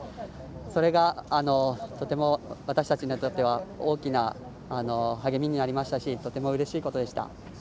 それが、とても私たちにとっては大きな励みになりましたしとてもうれしいことでした。